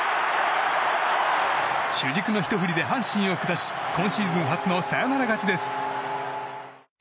主軸の一振りで阪神を下し今シーズン初のサヨナラ勝ちです。